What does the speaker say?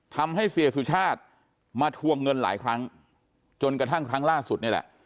ทำให้เสียสุชาติมาทวงเงินหลายครั้งจนกระทั่งครั้งล่าสุดนี่แหละ